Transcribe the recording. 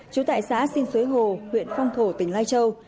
trú tại xã xin xuế hồ huyện phong thổ tỉnh lai châu